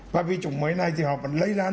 và vì chủng mới này thì họ vẫn lây lan